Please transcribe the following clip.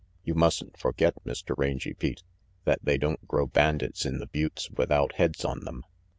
You mustn't forget, Mr. Rangy Pete, that they don't grow bandits in the buttes without heads on them.